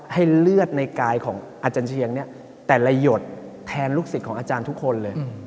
ให้เลือดในกายของอาจารย์เชียงเนี่ยแต่ละหยดแทนลูกศิษย์ของอาจารย์ทุกคนเลย